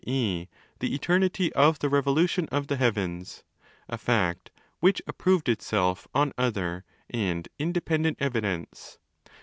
e. the eternity of {πε revolution of the heavens (a fact which approved itself on other and independent evidence)